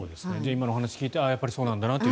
今のお話を聞いてやっぱりそうなんだなと。